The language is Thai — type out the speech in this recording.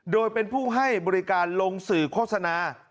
โดยเป็นผู้ให้บริการลงสื่อโฆษณา